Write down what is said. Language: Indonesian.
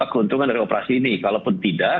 keuntungan dari operasi ini kalaupun tidak